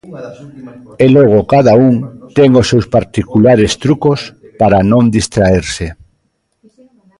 E logo cada un ten os seus particulares trucos para non distraerse.